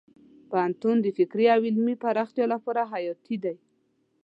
پوهنتون د فکري او علمي پراختیا لپاره حیاتي دی.